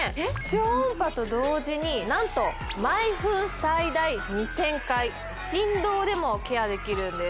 超音波と同時に何と毎分最大２０００回振動でもケアできるんです